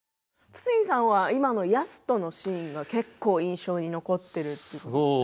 堤さんは、今のやすとのシーンが結構、印象に残っているとのことですね。